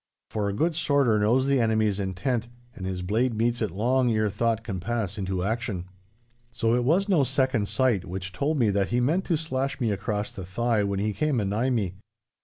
For a good sworder knows the enemy's intent, and his blade meets it long ere thought can pass into action. So it was no second sight which told me that he meant to slash me across the thigh when he came a nigh me.